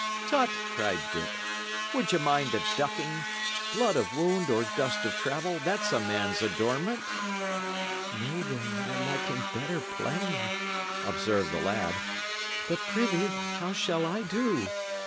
"Tut!" cried Dick. "Would ye mind a ducking? Blood of wound or dust of travel that's a man's adornment." "Nay, then, I like him better plain," observed the lad. "But, prithee, how shall I do?